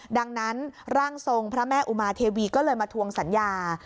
ดังนั้นร่างทรงพระแม่อุมาเทวีก็เลยมาทวงสัญญา